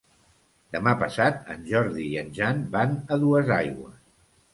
Demà passat en Jordi i en Jan van a Duesaigües.